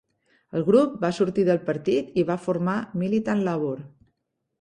El grup va sortir del partit i va formar Militant Labour.